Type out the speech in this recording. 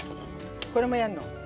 これもやんの。